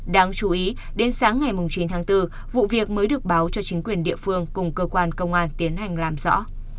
đáng chú ý đến sáng ngày chín tháng bốn vụ việc mới được báo cho chính quyền địa phương cùng cơ quan công an tiến hành làm rõ